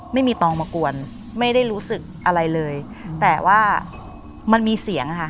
ตองมากวนไม่ได้รู้สึกอะไรเลยแต่ว่ามันมีเสียงอะค่ะ